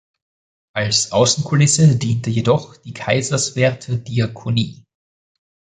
Als Außenkulisse diente jedoch die Kaiserswerther Diakonie.